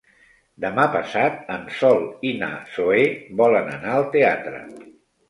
Demà passat en Sol i na Zoè volen anar al teatre.